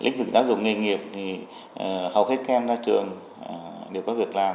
nhiều nghiệp hầu hết các em ra trường đều có việc làm